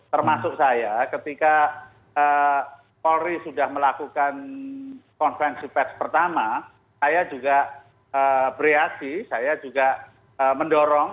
termasuk saya ketika polri sudah melakukan konfensi pes pertama saya juga beri asih saya juga mendorong